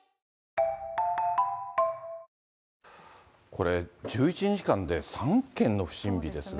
これ、１１日間で３件の不審火ですが。